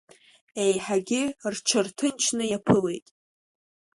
Еиҳагьы рҽырҭынчны иаԥылеит.